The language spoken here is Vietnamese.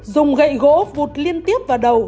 dùng gậy gỗ vụt liên tiếp vào đầu